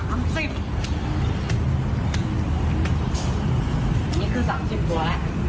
อันนี้คือ๓๐ตัวแล้ว